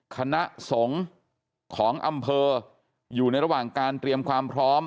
คณะสงฆ์ของอำเภออยู่ในระหว่างการเตรียมความพร้อม